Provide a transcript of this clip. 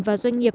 và doanh nghiệp